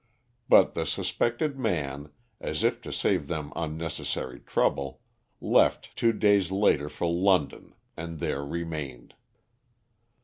But the suspected man, as if to save them unnecessary trouble, left two days later for London, and there remained.